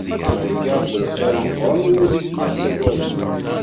Theyyaḍ-d lxir meqqren i wid i k-ittagaden.